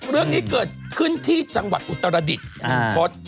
เรื่องนี้เกิดขึ้นที่จังหวัดอุตรดิษฐ์พศ